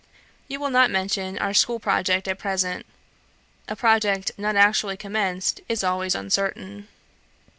. You will not mention our school project at present. A project not actually commenced is always uncertain.